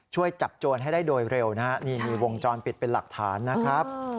ช่วยจับโจรให้ได้โดยเร็วนะฮะนี่มีวงจรปิดเป็นหลักฐานนะครับ